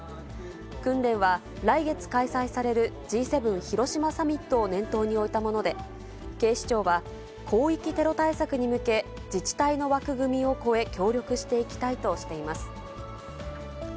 訓練は来月開催されるＧ７広島サミットを念頭に置いたもので、警視庁は、広域テロ対策に向け、自治体の枠組みを超え協力していきたいとしています。